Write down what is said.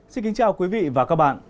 xin kính chào quý vị và các bạn